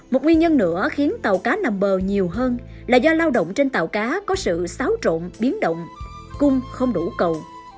một nguyên nhân nữa khiến tàu cá nằm bờ nhiều hơn là do lao động trên tàu cá có sự xáo trộn biến động cung không đủ cầu